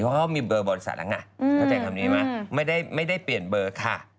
เพราะว่ามีเบอร์บริษัทแล้วนะไม่ได้เปลี่ยนเบอร์ค่ะ